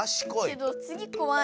けどつぎこわい。